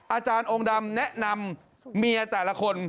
อาจารย์องค์ดำแนะนำเมียแต่ละคน